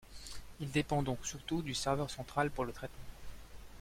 Il dépend donc surtout du serveur central pour le traitement.